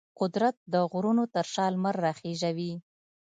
قدرت د غرونو تر شا لمر راخیژوي.